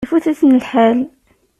Ifut-iten lḥal.